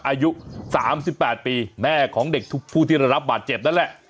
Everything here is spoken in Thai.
อายุ๓๘ปีแม่ของเด็กทุกผู้ที่ได้รับบาดเจ็บนั่นแหละ